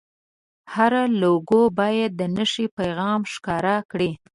هره لوګو باید د نښې پیغام ښکاره کړي.